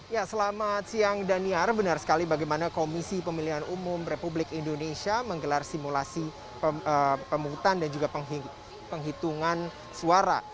ya selamat siang daniar benar sekali bagaimana komisi pemilihan umum republik indonesia menggelar simulasi pemungutan dan juga penghitungan suara